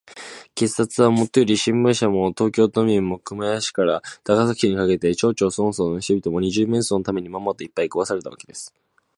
警察はもとより、新聞社も、東京都民も、熊谷市から高崎市にかけての町々村々の人々も、二十面相のために、まんまと、いっぱい食わされたわけです。